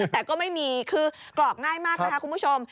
แต่ก็ไม่มีคือกรอกง่ายมากนะคะคุณผู้ชม